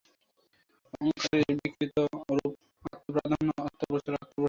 অহংকারের বিকৃত রূপ আত্মপ্রাধান্য, আত্মপ্রচার, আত্মপ্রসাদ।